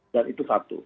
dan itu satu